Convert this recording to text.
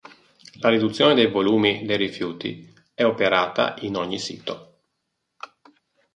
La riduzione dei volumi dei rifiuti è operata in ogni sito.